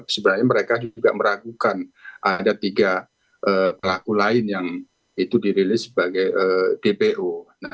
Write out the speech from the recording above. sebenarnya mereka juga meragukan ada tiga pelaku lain yang itu dirilis sebagai dpo